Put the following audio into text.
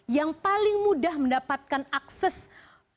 yang paling mudah mendapatkan akses untuk jatah dapat tanah itu biasanya